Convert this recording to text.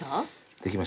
できました。